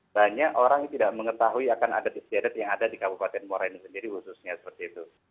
banyak orang tidak mengetahui akan adat adat yang ada di kabupaten muara enim sendiri khususnya seperti itu